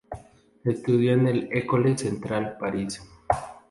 Estudió en École Centrale Paris.